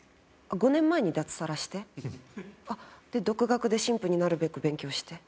５年前に脱サラして？で独学で神父になるべく勉強して？